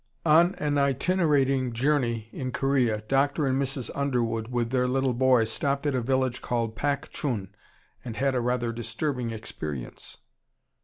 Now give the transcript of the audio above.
On an itinerating journey in Korea Dr. and Mrs. Underwood with their little boy stopped at a village called Pak Chun and had a rather disturbing experience.